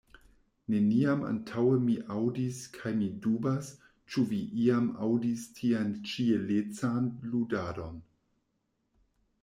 Neniam antaŭe mi aŭdis kaj mi dubas, ĉu vi iam aŭdis tian ĉielecan ludadon.